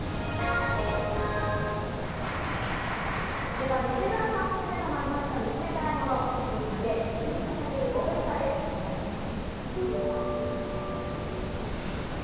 では西村さんオススメのまじまじと見つめたいもの、ＨＩＰＰＹさんで「君に捧げる応援歌」です、お願いします。